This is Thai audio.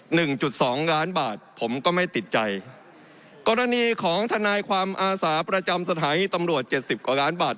หนึ่งจุดสองล้านบาทผมก็ไม่ติดใจกรณีของทนายความอาสาประจำสถานีตำรวจเจ็ดสิบกว่าล้านบาท